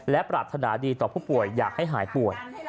และปรารถนาดีต่อผู้ป่วยอยากให้หายป่วย